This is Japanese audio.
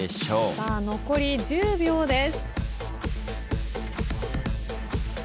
さあ残り１０秒です。